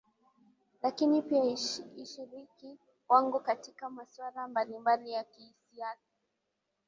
lakini pia ishiriki wangu katika maswala mbalimbali ya kisiasa